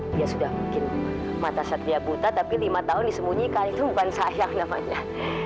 dia sudah mungkin mata satya buta tapi lima tahun disembunyikan itu bukan sayang namanya